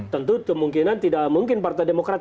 tentu kemungkinan tidak mungkin partai demokrat